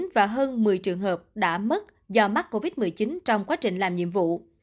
và hơn một mươi trường hợp đã mất do mắc covid một mươi chín trong quá trình làm nhiệm vụ